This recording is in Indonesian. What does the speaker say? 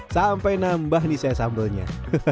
sampai nambah nih saya sambelnya